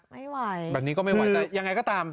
ไม่ไหวแบบนี้ก็ไม่ไหวแต่ยังไงก็ตาม